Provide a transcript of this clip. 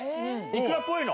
イクラっぽいの？